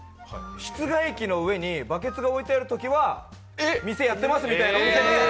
室外機の上にバケツが置いてあるときは店やってますみたいな。